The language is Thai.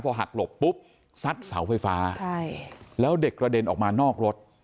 หักหลบปุ๊บซัดเสาไฟฟ้าใช่แล้วเด็กกระเด็นออกมานอกรถ